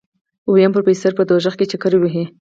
ويم پروفيسر په دوزخ کې چکرې وهي.